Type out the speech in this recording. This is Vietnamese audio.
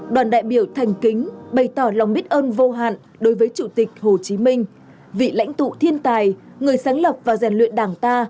đoàn đại biểu thành kính bày tỏ lòng biết ơn vô hạn đối với chủ tịch hồ chí minh vị lãnh tụ thiên tài người sáng lập và rèn luyện đảng ta